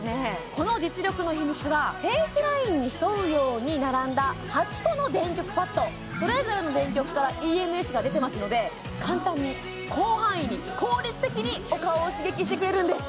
この実力の秘密はフェイスラインに沿うように並んだ８個のそれぞれの電極からＥＭＳが出てますので簡単に広範囲に効率的にお顔を刺激してくれるんです